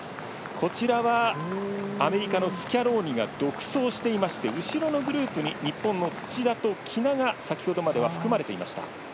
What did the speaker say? こちらはアメリカのスキャローニが独走していまして後ろのグループに日本の土田と喜納が先ほどまでは含まれていました。